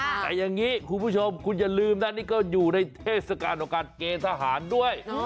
แต่อย่างนี้คุณผู้ชมคุณอย่าลืมนะนี่ก็อยู่ในเทศกาลของการเกณฑ์ทหารด้วย